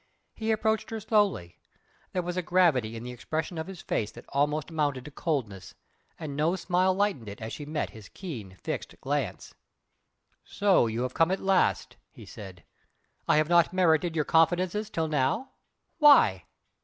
He approached her slowly there was a gravity in the expression of his face that almost amounted to coldness, and no smile lightened it as she met his keen, fixed glance. "So you have come to me at last!" he said "I have not merited your confidence till now! Why?"